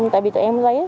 tại vì tụi em lấy